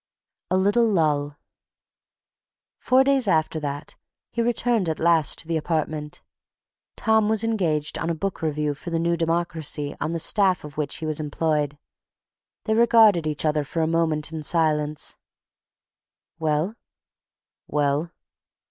A LITTLE LULL Four days after that he returned at last to the apartment. Tom was engaged on a book review for The New Democracy on the staff of which he was employed. They regarded each other for a moment in silence. "Well?" "Well?"